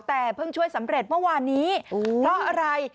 แต่เพิ่งช่วยสำเร็จเมื่อวานนี้เพราะอะไร